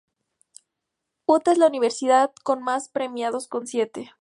Utah es la universidad con más premiados con siete.